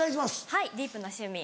はい「ディープな趣味」。